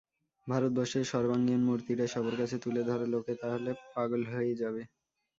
ভারতবর্ষের সর্বাঙ্গীণ মূর্তিটা সবার কাছে তুলে ধরো– লোকে তা হলে পাগল হয়ে যাবে।